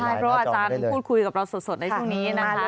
ใช่เพราะว่าอาจารย์พูดคุยกับเราสดในช่วงนี้นะคะ